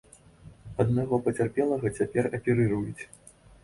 Аднаго пацярпелага цяпер аперыруюць.